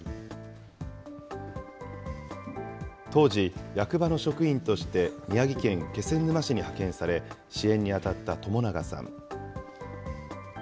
当時、役場の職員として、宮城県気仙沼市に派遣され、支援に当たった友永さん。